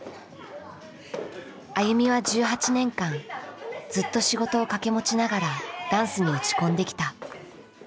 ＡＹＵＭＩは１８年間ずっと仕事を掛け持ちながらダンスに打ち込んできた。